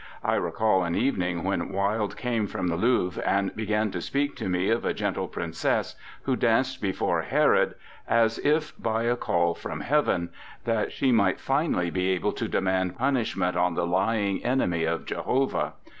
I recall an evening when Wilde came from the Louvre, and began to speak to me of a gentle princess who danced before Herod as if by a call from Heaven, that she 15 RECOLLECTIONS OF OSCAR WILDE might finally be able to demand punishment on the lying enemy of Jehovah.